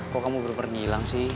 kok kamu berpernilang sih